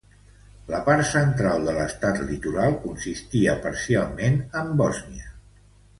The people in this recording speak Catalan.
La part central de l'estat litoral consistia parcialment en Bòsnia.